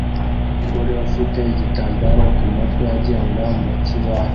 Umugore ufite igitambaro ku mutwe agenda mu kibaho